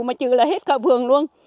mà chứ là hết cả vườn luôn